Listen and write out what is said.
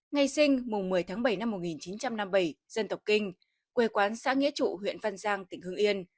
ngày sinh mùng một mươi tháng bảy năm một nghìn chín trăm năm mươi bảy dân tộc kinh quê quán xã nghĩa trụ huyện văn giang tỉnh hưng yên